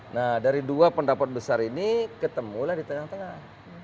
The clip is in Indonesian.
nah dari dua pendapat besar ini ketemulah di tengah tengah